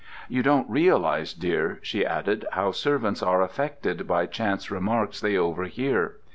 "You don't realize, dear," she added, "how servants are affected by chance remarks they overhear.